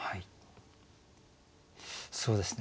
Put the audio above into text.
そうですね